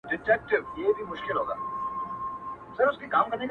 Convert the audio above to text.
ستا له ښاره قاصد راغی په سرو سترګو یې ژړله -